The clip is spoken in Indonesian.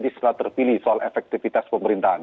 setelah terpilih soal efektivitas pemerintahan